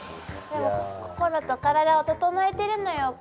でも心と体を整えてるのよ